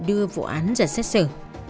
đưa vụ án ra xét xử